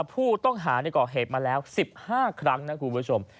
ผู้ต้องหาในก่อเหตุมาแล้ว๑๕ครั้งนะคุณผู้ชม